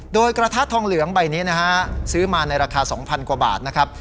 โดยกระทะทองเหลืองใบนี้นะฮะซื้อมาในราคา๒๐๐กว่าบาทนะครับ